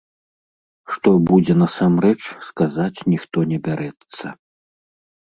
Што будзе насамрэч, сказаць ніхто не бярэцца.